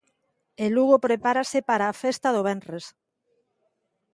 E Lugo prepárase para a festa do venres.